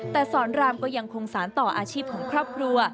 แต่สอนรามก็ยังคงสารต่ออาชีพของครอบครัว